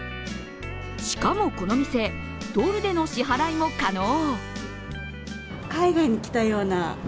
しかもこの店ドルでの支払いも可能。